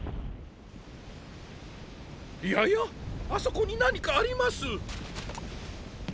ややっあそこになにかあります！